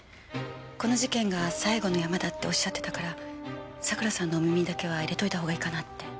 この事件が最後のヤマだっておっしゃってたから佐倉さんのお耳にだけは入れておいた方がいいかなって。